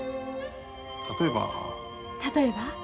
例えば。例えば？